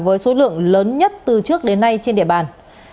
với số lượng lớn nhất từ trước đến nay trên địa bàn